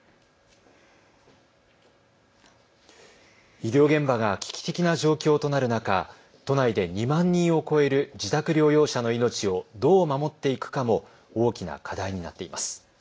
医療現場が危機的な状況となる中、都内で２万人を超える自宅療養者の命をどう守っていくかも大きな課題になっています。